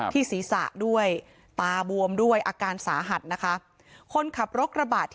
ศีรษะด้วยตาบวมด้วยอาการสาหัสนะคะ